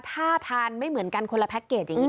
ถ้าทานไม่เหมือนกันคนละแพ็คเกจอย่างนี้